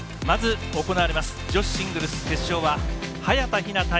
まず、行われます女子シングルス決勝は早田ひな